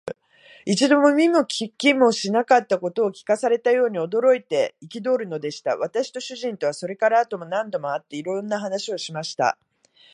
一度も見も聞きもしなかったことを聞かされたように、驚いて憤るのでした。私と主人とは、それから後も何度も会って、いろんな話をしました。